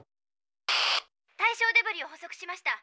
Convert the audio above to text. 「対象デブリを捕捉しました。